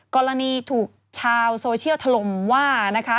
กรณีถูกชาวโซเชียลถล่มว่านะคะ